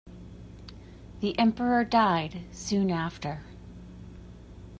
The emperor died soon after.